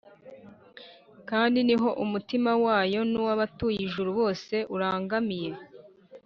kandi ni ho umutima wayo n’uwabatuye ijuru bose urangamiye